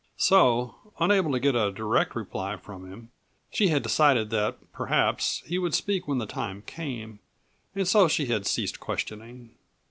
So, unable to get a direct reply from him she had decided that perhaps he would speak when the time came, and so she had ceased questioning.